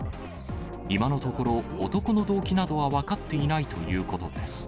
今のところ、男の動機などは分かっていないということです。